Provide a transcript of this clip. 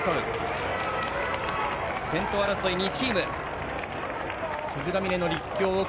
先頭争い、２チーム。